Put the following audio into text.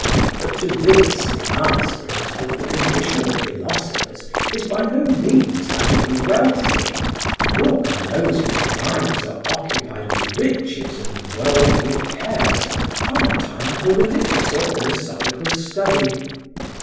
But to this the answer is that the condition of philosophers is by no means that of the wealthy, nor can those whose minds are occupied with riches and worldly cares find time for religious or philosophical study.